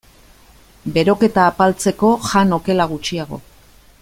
Beroketa apaltzeko, jan okela gutxiago.